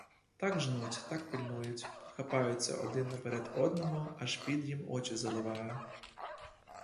Так жнуть, так пильнують, хапаються один наперед одного, аж піт їм очі заливає.